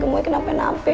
gak tahu apa apa